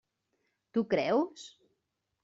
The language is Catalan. Tu creus?